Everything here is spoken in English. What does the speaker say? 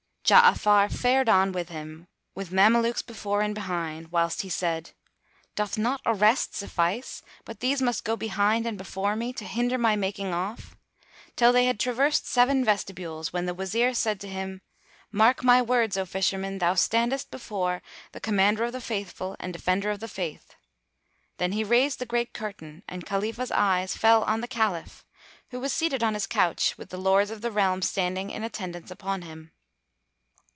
Ja'afar fared on with him, with Mamelukes before and behind, whilst he said, "Doth not arrest suffice, but these must go behind and before me, to hinder my making off?" till they had traversed seven vestibules, when the Wazir said to him, "Mark my words, O Fisherman! Thou standest before the Commander of the Faithful and Defender of the Faith!" Then he raised the great curtain and Khalifah's eyes fell on the Caliph, who was seated on his couch, with the Lords of the realm standing in attendance upon him.